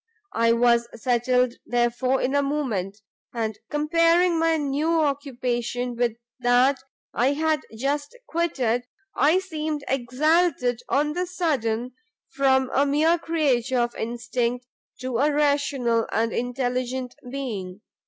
I was settled, therefore, in a moment, and comparing my new occupation with that I had just quitted, I seemed exalted on the sudden from a mere creature of instinct, to a rational and intelligent being.